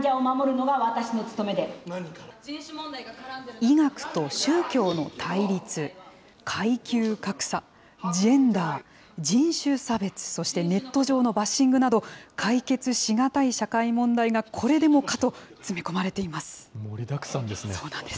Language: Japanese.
医学と宗教の対立、階級格差、ジェンダー、人種差別、そしてネット上のバッシングなど、解決し難い社会問題がこれでもかと詰め込まれています。